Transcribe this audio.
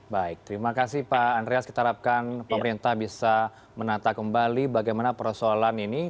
baik terima kasih pak andreas kita harapkan pemerintah bisa menata kembali bagaimana persoalan ini